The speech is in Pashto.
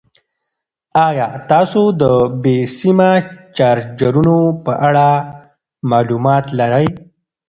ایا تاسو د بې سیمه چارجرونو په اړه معلومات لرئ؟